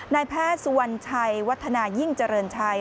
นายแพทย์สุวรรณชัยวัฒนายิ่งเจริญชัย